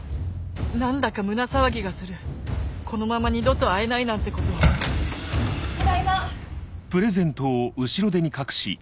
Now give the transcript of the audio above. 何だか胸騒ぎがするこのまま二度と会えないなんてことただいま。